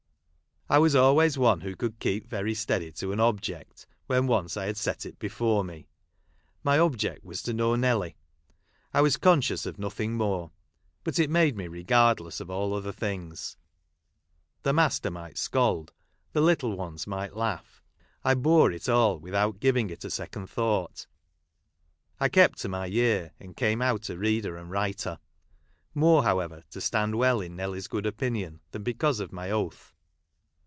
I was always one who could keep very steady to an object when once I had set it before me. My object was to know Nelly. I was conscious of nothing more. But it made me regardless of all other things. The master might scold, the little ones might laugh ; I bore it all without giving it a second thought. I kept to my year, and came out a reader and writer ; more, however, to stand well in Nelly's good opinion, than because of my oath.